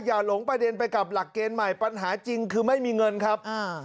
หลงประเด็นไปกับหลักเกณฑ์ใหม่ปัญหาจริงคือไม่มีเงินครับ